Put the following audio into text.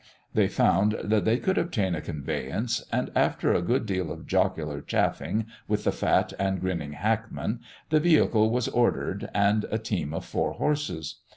They found that they could obtain a conveyance, and, after a good deal of jocular chaffing with the fat and grinning hackman, the vehicle was ordered, and a team of four horses.